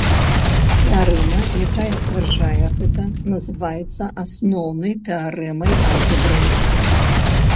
Тэарэма, якая сцвярджае гэта, называецца асноўнай тэарэмай алгебры.